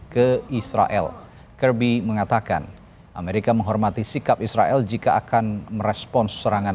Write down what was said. ke israel kerby mengatakan amerika menghormati sikap israel jika akan merespons serangan